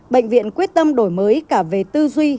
bệnh viện quyết tâm đổi mới cả về tư duy